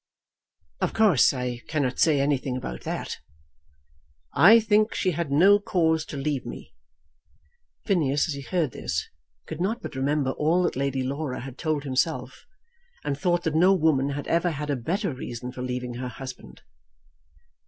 "Of course I cannot say anything about that." "I think she had no cause to leave me." Phineas as he heard this could not but remember all that Lady Laura had told himself, and thought that no woman had ever had a better reason for leaving her husband.